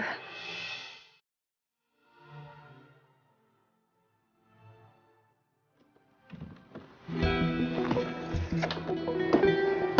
tidak ada yang bisa dihapuskan dari diri saya